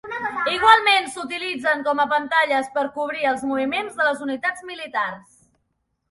Igualment, s'utilitzen com a pantalles per cobrir els moviments de les unitats militars.